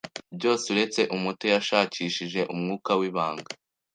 Byose uretse umuto yashakishije umwuka wibanga